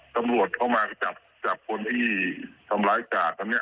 ตำรวจเข้ามาจับจับคนที่ทำร้ายการ์ดครั้นเนี้ย